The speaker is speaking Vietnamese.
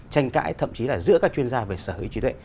tranh cãi thậm chí là giữa các chuyên gia về sở hữu trí tuệ